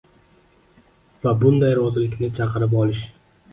va bunday rozilikni chaqirib olish